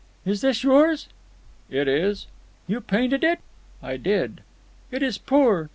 "Is this yours?" "It is." "You painted it?" "I did." "It is poor.